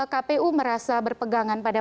kpu merasa berpegangan pada